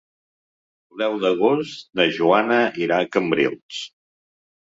El deu d'agost na Joana irà a Cambrils.